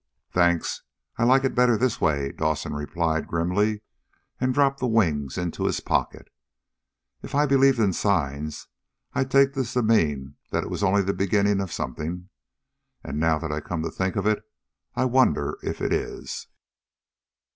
"Thanks, I like it better this way," Dawson replied grimly, and dropped the wings into his pocket. "If I believed in signs I'd take this to mean that it was only the beginning of something. And now that I come to think of it, I wonder if it is."